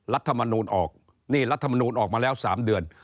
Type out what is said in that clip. รัฐมนูลออกนี่รัฐมนูลออกมาแล้ว๓เดือน